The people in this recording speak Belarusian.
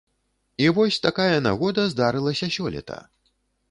І вось такая нагода здарылася сёлета.